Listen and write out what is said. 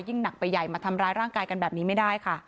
หนักไปใหญ่มาทำร้ายร่างกายกันแบบนี้ไม่ได้ค่ะ